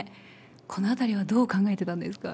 このあたりはどう考えてたんですか？